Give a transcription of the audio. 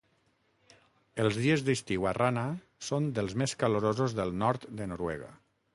Els dies d'estiu a Rana són dels més calorosos del nord de Noruega.